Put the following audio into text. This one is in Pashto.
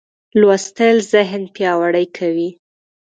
لوستل ذهن پیاوړی کوي.